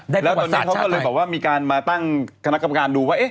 แล้วตอนนี้เขาก็เลยบอกว่ามีการมาตั้งคณะกรรมการดูว่า